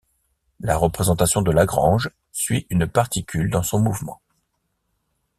La représentation de Lagrange suit une particule dans son mouvement.